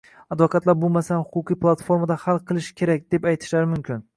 Advokatlar bu masalani huquqiy platformada hal qilish kerak, deb aytishlari mumkin